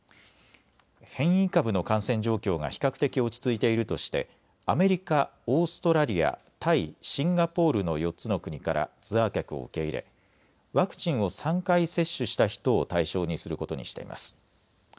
変異株の感染状況が比較的落ち着いているとしてアメリカ、オーストラリア、タイ、シンガポールの４つの国からツアー客を受け入れワクチンを３回接種した人を対象にすることにしています。